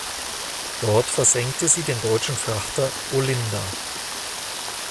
Dort versenkte sie den deutschen Frachter "Olinda".